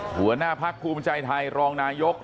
หัวหน้าพักภูมิใจไทยรองนายก